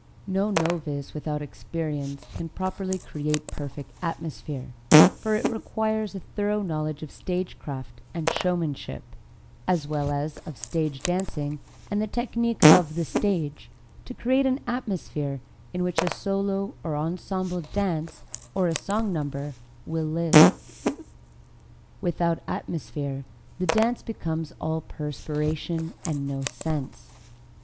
No novice without experience can properly create perfect atmosphere, for it requires a thorough knowledge of stage craft and showmanship, as well as of stage dancing and the technique of the stage, to create an atmosphere in which a solo or ensemble dance, or a song number will live. Without atmosphere the dance becomes all perspiration and no sense.